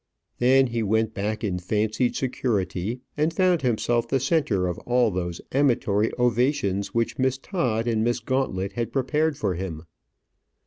Then he went back in fancied security, and found himself the centre of all those amatory ovations which Miss Todd and Miss Gauntlet had prepared for him.